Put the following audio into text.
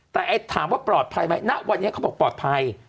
แต่ถามว่าปลอดภัยไหมณวันนี้เขาบอกปลอดภัย